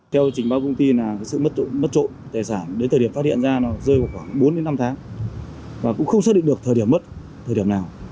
theo trình báo công ty sự mất trộm tài sản đến thời điểm phát hiện ra rơi vào khoảng bốn năm tháng và cũng không xác định được thời điểm mất thời điểm nào